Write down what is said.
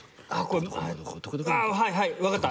あぁはいはい分かった。